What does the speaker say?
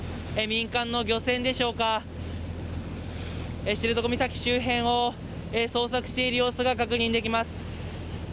民間の漁船でしょうか、知床岬周辺を捜索している様子が確認できます。